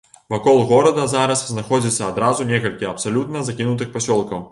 Вакол горада зараз знаходзіцца адразу некалькі абсалютна закінутых пасёлкаў.